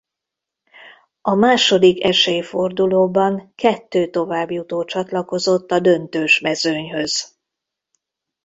A második esély fordulóban kettő továbbjutó csatlakozott a döntős mezőnyhöz.